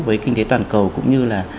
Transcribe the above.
với kinh tế toàn cầu cũng như là